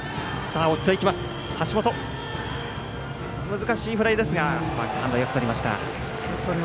難しいフライですがバックハンドよくとりました。